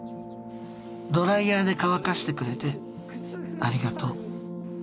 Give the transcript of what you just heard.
ドライヤーで乾かしてくれてありがとう」。